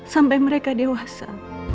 sampai mereka dewasa